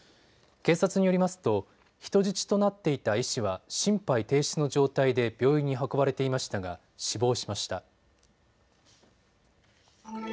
警察によりますと人質となっていた医師は心肺停止の状態で病院に運ばれていましたが死亡しました。